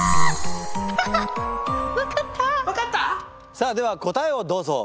さあでは答えをどうぞ！